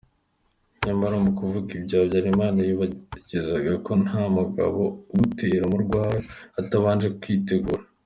Nyamara mu kuvuga ibyo, Habyarimana yiyibagizaga ko nta mugabo ugutera mu rwawe atabanje kwitegura.